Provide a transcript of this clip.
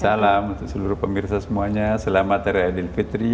salam untuk seluruh pemirsa semuanya selamat dari adil fitri